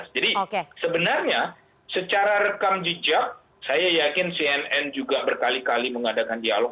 jadi sebenarnya secara rekam jejak saya yakin cnn juga berkali kali mengadakan dialog